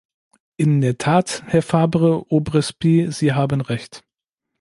In der Tat, Herr Fabre-Aubrespy, Sie haben recht.